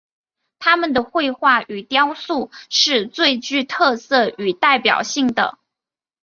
他们的绘画与雕塑是最具特色与代表性的。